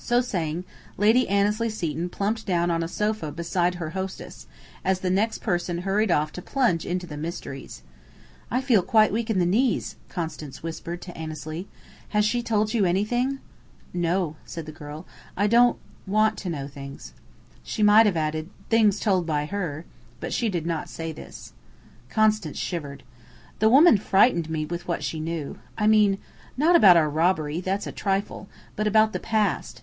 So saying, Lady Annesley Seton plumped down on a sofa beside her hostess, as the next person hurried off to plunge into the mysteries. "I feel quite weak in the knees," Constance whispered to Annesley. "Has she told you anything?" "No," said the girl "I don't want to know things." She might have added: "Things told by her." But she did not say this. Constance shivered. "The woman frightened me with what she knew. I mean, not about our robbery that's a trifle but about the past.